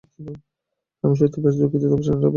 আমি সত্যিই বেশ দুঃখিত, তবে চ্যানেলটা এখন চেঞ্জ করতেই হবে।